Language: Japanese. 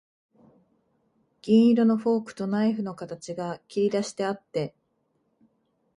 銀色のフォークとナイフの形が切りだしてあって、